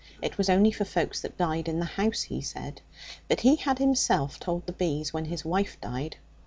It was only for folks that died in the house, he said. But he had himself told the bees when his wife died.